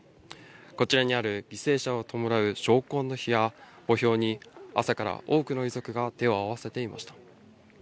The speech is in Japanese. こちらにある犠牲者を弔う昇魂之碑や墓標に、朝から多くの遺族が手を合わせていました。